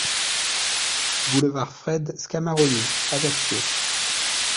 Boulevard Fred Scamaroni, Ajaccio